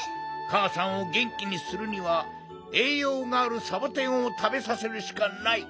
かあさんをげんきにするにはえいようがあるサボテンをたべさせるしかない。